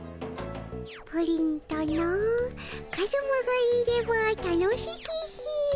「プリンとのカズマがいれば楽しき日。